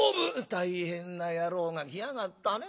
「大変な野郎が来やがったねおい。